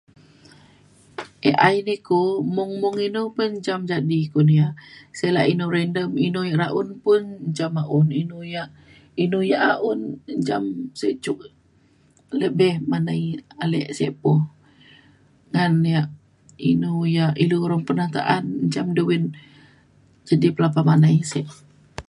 AI di ku mung mung inu pa njam jadi kun ia’. sek la inu random inu yak un pun jam un inu yak inu yak a- un njam sek cuk lebih manai ale sek po ngan yak inu yak ilu orang pernah ta’an njam du win jadi pelapah manai sek